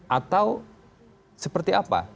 atau seperti apa